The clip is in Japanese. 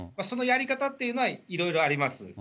そのやり方っていうのは、いろいろあります。